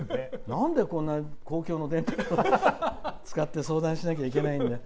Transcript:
なんでこんな公共の電波を使って相談しなきゃいけないんだよ。